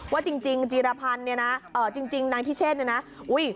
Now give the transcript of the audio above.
ว่าจริงนายพิเชศเนี่ยนะเขาเป็นคนดี